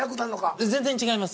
全然違います。